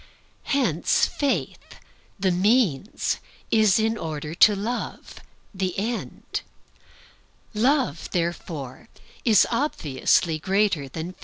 Hence Faith, the means, is in order to Love, the end. Love, therefore, obviously is greater than faith.